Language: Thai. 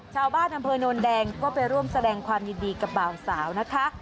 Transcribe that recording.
ชาวบ้านอำเภอโนนแดงก็ไปร่วมแสดงความยินดีกับบ่าวสาวนะคะ